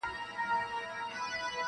• زه د محتسب په غلیمانو کي ښاغلی یم -